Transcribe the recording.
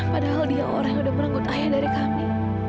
padahal dia orang yang udah merenggut ayah dari kami